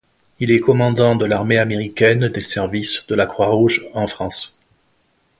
Il est Commandant de l'armée américaine des services de la Croix-Rouge en France.